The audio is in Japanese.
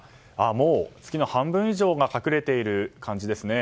もう、月の半分以上が隠れている感じですね。